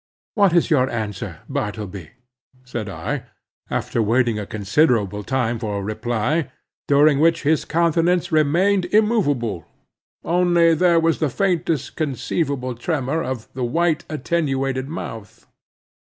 "What is your answer, Bartleby?" said I, after waiting a considerable time for a reply, during which his countenance remained immovable, only there was the faintest conceivable tremor of the white attenuated mouth.